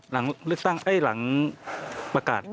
หลังเลือกตั้งหลังประกาศ